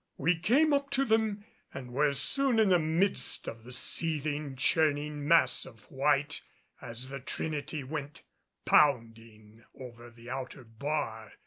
We came up to them and were soon in the midst of the seething, churning mass of white as the Trinity went pounding over the outer bar.